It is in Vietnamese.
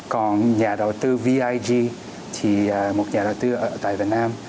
còn nhà đầu tư vig một nhà đầu tư tại việt nam